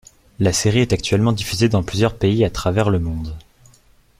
La série est actuellement diffusée dans plusieurs pays à travers le monde.